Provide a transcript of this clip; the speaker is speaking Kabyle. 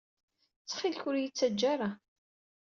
Ttxil-k ur d-iyi-ttaǧǧa ara.